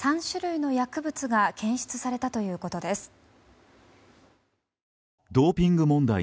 ３種類の薬物が検出されたということです。